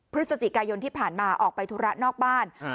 พฤศจิกายนที่ผ่านมาออกไปธุระนอกบ้าน